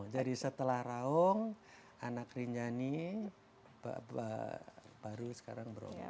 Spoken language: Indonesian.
jadi setelah raung anak rinjani baru sekarang bromo